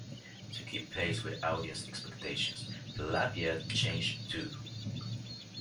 To keep pace with audience expectations, the Lafayette changed, too.